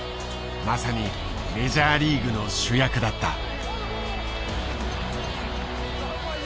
まさにメジャーリーグの主役だった。